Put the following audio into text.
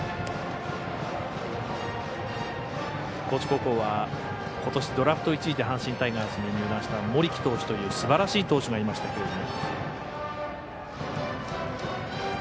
高知高校は、ことしドラフト１位で阪神タイガースに入団した森木投手というすばらしい投手がいましたが。